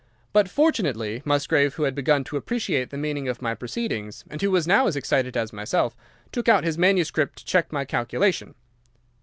But, fortunately, Musgrave, who had begun to appreciate the meaning of my proceedings, and who was now as excited as myself, took out his manuscript to check my calculation.